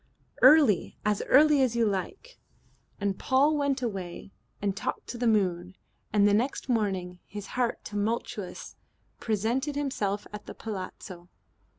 "Early. As early as you like." And Paul went away and talked to the moon, and the next morning, his heart tumultuous, presented himself at the palazzo.